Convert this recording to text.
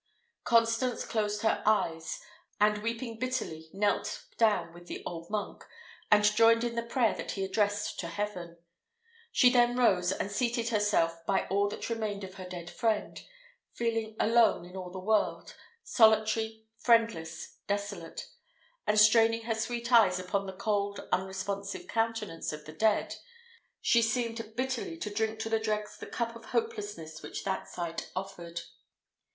Constance closed his eyes, and weeping bitterly, knelt down with the old monk, and joined in the prayer that he addressed to heaven. She then rose, and seated herself by all that remained of her dead friend, feeling alone in all the world, solitary, friendless, desolate; and straining her sweet eyes upon the cold, unresponsive countenance of the dead, she seemed bitterly to drink to the dregs the cup of hopelessness which that sight offered.